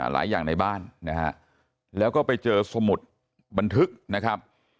หลายอย่างในบ้านนะฮะแล้วก็ไปเจอสมุดบันทึกนะครับ